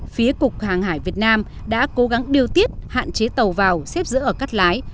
phía cục hàng hải việt nam đã cố gắng điều tiết hạn chế tàu vào xếp giữa ở cắt lái